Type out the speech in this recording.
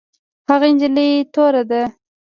هغه نجلۍ توره ده